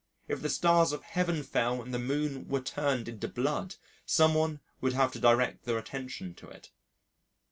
If the stars of Heaven fell and the Moon were turned into blood some one would have to direct their attention to it....